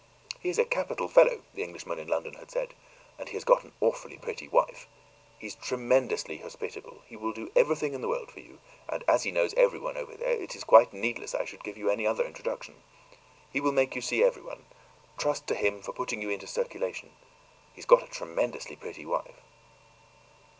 "He is a capital fellow," the Englishman in London had said, "and he has got an awfully pretty wife. He's tremendously hospitable he will do everything in the world for you; and as he knows everyone over there, it is quite needless I should give you any other introduction. He will make you see everyone; trust to him for putting you into circulation. He has got a tremendously pretty wife."